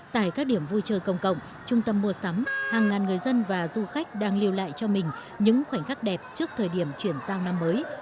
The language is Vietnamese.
tại các điểm vui chơi công cộng trung tâm mua sắm hàng ngàn người dân và du khách đang lưu lại cho mình những khoảnh khắc đẹp trước thời điểm chuyển giao năm mới